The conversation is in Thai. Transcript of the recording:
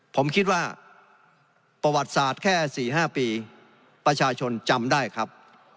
ผมคิดว่าประวัติศาสตร์แค่๔๕ปีประชาชนจำได้ครับ